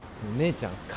姉ちゃん